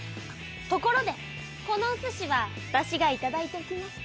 ところでこのおすしはわたしがいただいておきます。